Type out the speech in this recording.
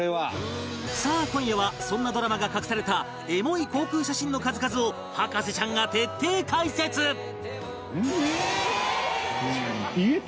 さあ今夜はそんなドラマが隠されたエモい航空写真の数々を博士ちゃんが徹底解説ええー！